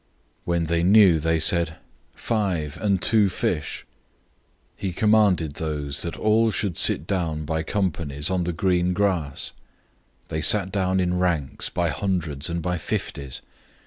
When they knew, they said, "Five, and two fish." 006:039 He commanded them that everyone should sit down in groups on the green grass. 006:040 They sat down in ranks, by hundreds and by fifties.